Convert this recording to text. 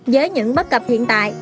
với những bất cập hiện tại